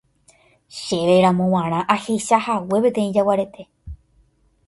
Chéveramo g̃uarã ahechahague peteĩ jaguarete